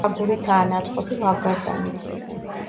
აგურითაა ნაწყობი ლავგარდანიც.